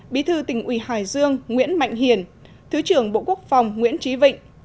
bí thư tỉnh ủy hải dương nguyễn mạnh hiển thứ trưởng bộ quốc phòng nguyễn trí vịnh